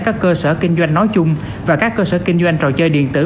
các cơ sở kinh doanh nói chung và các cơ sở kinh doanh trò chơi điện tử